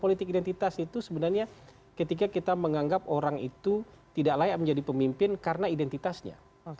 politik identitas itu sebenarnya ketika kita menganggap orang itu tidak layak menjadi pemimpin karena identitasnya